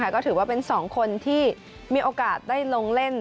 ก็ถือว่าเป็น๒คนที่มีโอกาสได้ลงเล่น